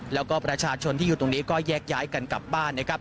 แล้วก็ประชาชนที่อยู่ตรงนี้ก็แยกย้ายกันกลับบ้านนะครับ